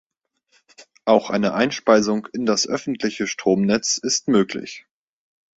Auch eine Einspeisung in das öffentliche Stromnetz ist möglich.